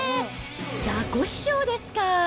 ザコシショウですか。